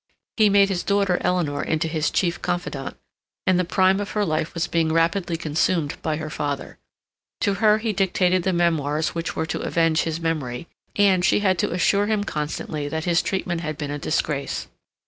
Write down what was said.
He made his daughter Eleanor into his chief confidante, and the prime of her life was being rapidly consumed by her father. To her he dictated the memoirs which were to avenge his memory, and she had to assure him constantly that his treatment had been a disgrace.